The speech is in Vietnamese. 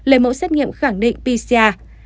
lấy mẫu xét nghiệm khẳng định pcr